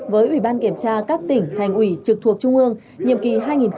với ủy ban kiểm tra các tỉnh thành ủy trực thuộc trung ương nhiệm kỳ hai nghìn một mươi sáu hai nghìn hai mươi